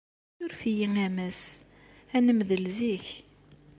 Ssuref-iyi a Mass. Ad nemdel zik.